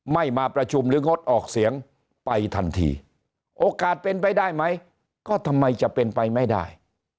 มาประชุมหรืองดออกเสียงไปทันทีโอกาสเป็นไปได้ไหมก็ทำไมจะเป็นไปไม่ได้